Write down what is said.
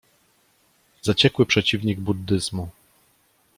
Zaciekły przeciwnik buddyzmu.